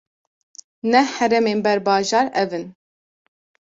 Neh heremên berbajar, ev in: